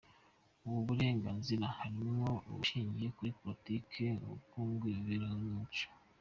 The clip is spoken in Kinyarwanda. Ubu burenganzira burimo ubushingiye kuri politiki, ubukungu, imibereho n’umuco.